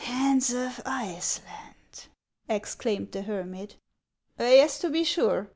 "Hans of Iceland !" exclaimed the hermit. " Yes, to be sure.